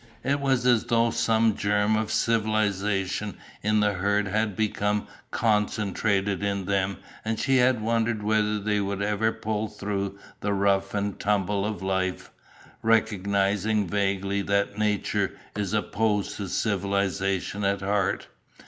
It was as though some germ of civilization in the herd had become concentrated in them and she had wondered whether they would ever pull through the rough and tumble of life, recognising vaguely that nature is opposed to civilization at heart.